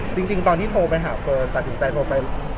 จริงตอนที่โทรไปหาเฟิร์นตัดสินใจโทรไป